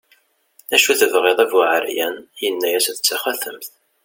acu tebɣiḍ a bu ɛeryan, yenna-as d taxatemt